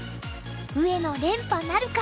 上野連覇なるか。